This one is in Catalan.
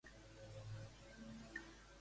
Per què el xaman els aconsella que se'n vagin?